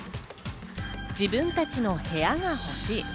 自分たちの部屋が欲しい。